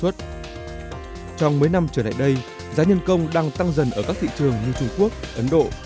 trong mấy năm trở lại đây giá nhân công đang tăng dần ở các thị trường như trung quốc ấn độ